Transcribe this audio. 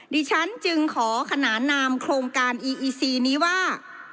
ดิฉันจึงขอขนานามโครงการนี้ว่า